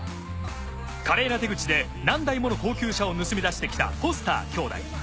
華麗な手口で何台もの高級車を盗みだしてきたフォスター兄弟。